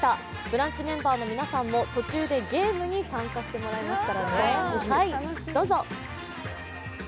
「ブランチ」メンバーの皆さんも途中でゲームに参加してもらいます。